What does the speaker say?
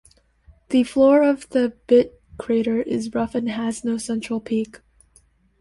The floor of Thebit crater is rough and has no central peak.